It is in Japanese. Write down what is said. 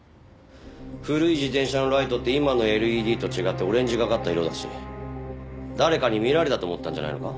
古い自転車のライトって今のＬＥＤと違ってオレンジがかった色だし誰かに見られたと思ったんじゃないのか？